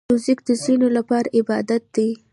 موزیک د ځینو لپاره عبادت دی.